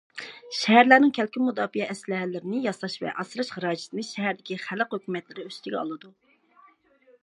شەھەرلەرنىڭ كەلكۈن مۇداپىئە ئەسلىھەلىرىنى ياساش ۋە ئاسراش خىراجىتىنى شەھەردىكى خەلق ھۆكۈمەتلىرى ئۈستىگە ئالىدۇ.